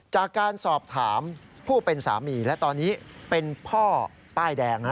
จากการสอบถามผู้เป็นสามีและตอนนี้เป็นพ่อป้ายแดง